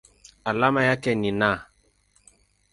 Alama yake ni Na.